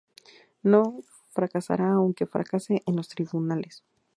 no fracasará aunque fracase en los tribunales